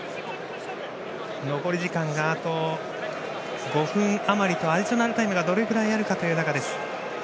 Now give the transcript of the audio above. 残り時間が５分あまりとアディショナルタイムがどれぐらいあるかという中です。